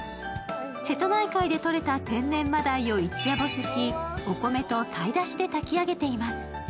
瀬戸内海で取れた天然真鯛を一夜干しし、お米と鯛だしで炊き上げています。